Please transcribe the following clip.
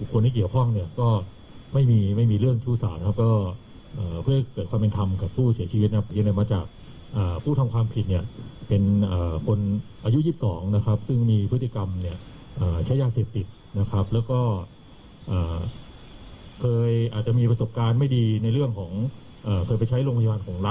คิดก็คือถึงค่อยอดทนนะคะ